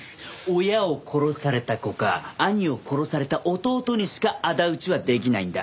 親を殺された子か兄を殺された弟にしか仇討ちはできないんだ。